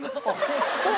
そう！